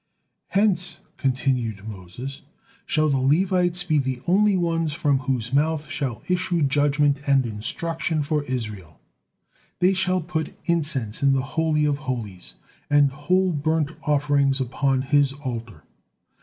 "Hence," continued Moses, "shall the Levites be the only ones from whose mouth shall issue judgement and instruction for Israel. 'Thy shall put incense' in the Holy of Holies, 'and whole burnt offerings upon His altar.'